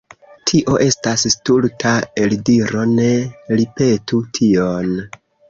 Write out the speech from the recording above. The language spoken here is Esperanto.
Tio estas stulta eldiro, ne ripetu tion.